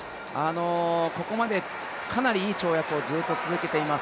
ここまでかなりいい跳躍をずっと続けています。